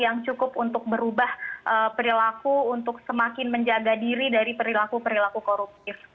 yang cukup untuk berubah perilaku untuk semakin menjaga diri dari perilaku perilaku koruptif